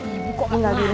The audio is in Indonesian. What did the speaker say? ibu kok enggak di rumahnya